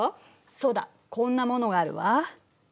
そうだこんなものがあるわ。